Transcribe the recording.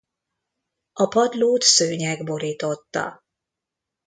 A padlót szőnyeg borította.